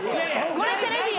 これテレビや。